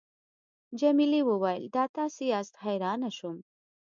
جميلې وويل:: دا تاسي یاست، حیرانه شوم.